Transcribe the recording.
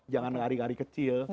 jangan lari lari kecil